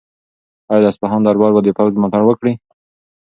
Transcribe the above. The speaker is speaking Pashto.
آیا د اصفهان دربار به د پوځ ملاتړ وکړي؟